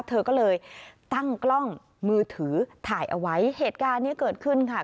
เธอก็เลยตั้งกล้องมือถือถ่ายเอาไว้เหตุการณ์นี้เกิดขึ้นค่ะ